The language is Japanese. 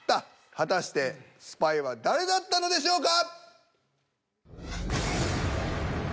果たしてスパイは誰だったのでしょうか！？